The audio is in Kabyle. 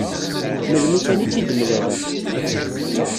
Melmi kan i tt-id-mlaleɣ.